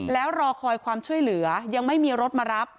แล้วรอคอยความช่วยเหลือยังไม่มีรถมารับ